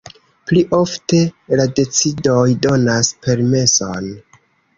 Pli ofte la decidoj donas permeson.